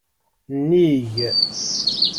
Nnig.